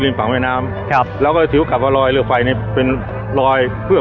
ลิงปากแม่น้ำครับแล้วก็ถือกับว่าลอยเรือไฟนี่เป็นรอยเพื่อ